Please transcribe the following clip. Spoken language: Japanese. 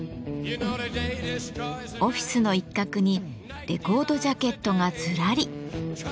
オフィスの一角にレコードジャケットがずらり。